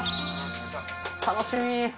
楽しみ